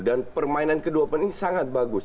dan permainan kedua dua ini sangat bagus